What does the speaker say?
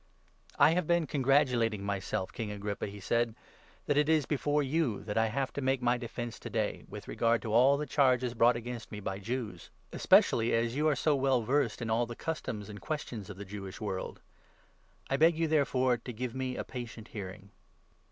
" I have been congratulating myself, King Agrippa," he 2 said, " that it is before you that I have to make my defence to day, with regard to all the charges brought against me by Jews, especially as you are so well versed in all the customs 3 264 THE ACTS, 26. and questions of the Jewish world. I beg you therefore to give me a patient hearing.